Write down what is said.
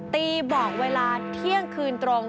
ตีบอกเวลาเที่ยงคืนตรง